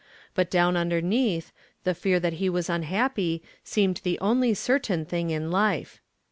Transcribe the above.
But down underneath, the fear that he was unhappy seemed the only certain thing in life.